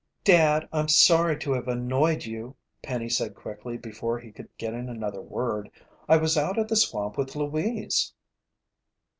"Dad, I'm sorry to have annoyed you," Penny said quickly before he could get in another word. "I was out at the swamp with Louise."